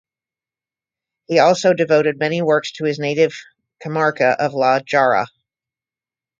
He also devoted many works to his native comarca of La Jara.